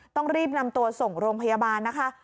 ต้องรีบนำตัวส่งโรงพยาบาลนะคะ